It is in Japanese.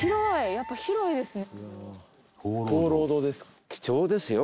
やっぱ広いですね。